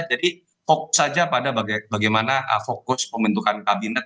jadi fokus saja pada bagaimana fokus pembentukan kabinet